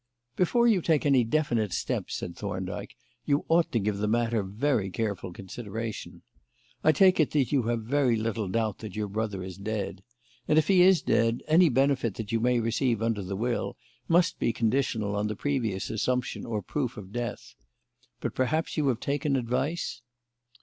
"Before you take any definite steps," said Thorndyke, "you ought to give the matter very careful consideration. I take it that you have very little doubt that your brother is dead. And if he is dead, any benefit that you may receive under the will must be conditional on the previous assumption or proof of death. But perhaps you have taken advice?"